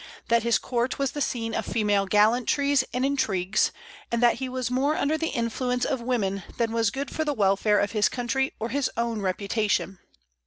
that his court was the scene of female gallantries and intrigues, and that he was more under the influence of women than was good for the welfare of his country or his own reputation.